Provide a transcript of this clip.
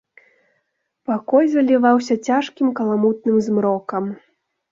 Пакой заліваўся цяжкім каламутным змрокам.